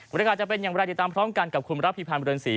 วันนี้ก็จะเป็นอย่างไรติดตามพร้อมกันกับคุณรัฐพิพันธ์บริญญาณศรี